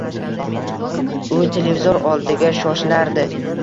U televizor oldiga shoshilardi